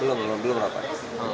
belum kita belum rapat